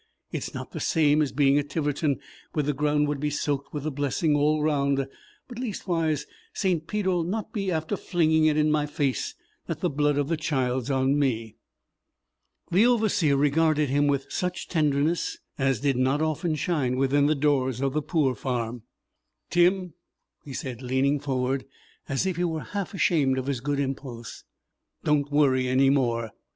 It's not the same as being at Tiverton where the ground would be soaked with the blessing all round, but leastways St. Peter 'll not be after flinging it in my face that the blood of the child's on me." The Overseer regarded him with such tenderness as did not often shine within the doors of the poor farm. "Tim," he said, leaning forward as if he were half ashamed of his good impulse, "don't worry any more.